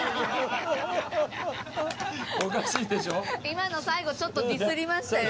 今の最後ちょっとディスりましたよ